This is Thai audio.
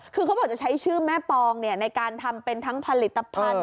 คือเขาบอกจะใช้ชื่อแม่ปองในการทำเป็นทั้งผลิตภัณฑ์